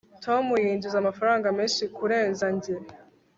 tom yinjiza amafaranga menshi kurenza njye